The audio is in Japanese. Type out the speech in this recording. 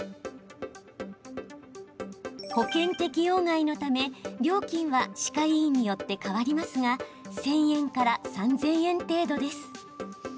保険適用外のため、料金は歯科医院によって変わりますが１０００円から３０００円程度です。